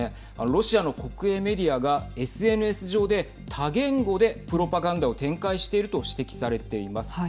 ロシアの国営メディアがＳＮＳ上で多言語でプロバガンダを展開していると指摘されています。